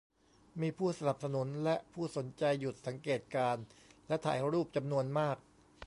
มีผู้สนับสนุนและผู้สนใจหยุดสังเกตการณ์และถ่ายรูปจำนวนมาก